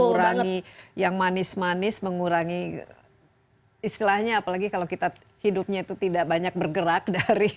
mengurangi yang manis manis mengurangi istilahnya apalagi kalau kita hidupnya itu tidak banyak bergerak dari